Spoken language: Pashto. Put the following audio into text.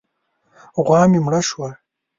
غوا مې مړه شوه.